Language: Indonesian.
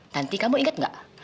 tanti kamu ingat gak